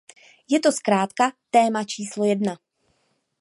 Je to zkrátka téma číslo jedna!